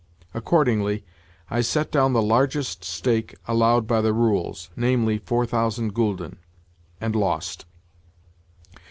Accordingly I set down the largest stake allowed by the rules—namely, 4000 gülden—and lost.